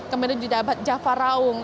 kemudian juga java raung